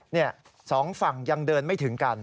นี่สองฝั่งยังเดินไม่ถึงกัน